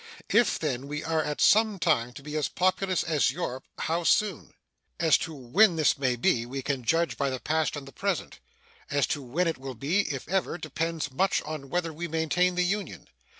If, then, we are at some time to be as populous as Europe, how soon? As to when this may be, we can judge by the past and the present; as to when it will be, if ever, depends much on whether we maintain the Union.